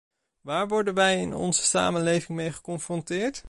Waar worden wij in onze samenleving mee geconfronteerd?